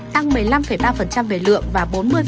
tăng một mươi năm ba về lượng và bốn mươi